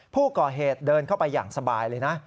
ผู้ก่อเหตุเดินเข้าไปอย่างสบายเลยนะ